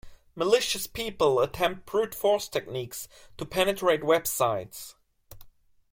Malicious people attempt brute force techniques to penetrate websites.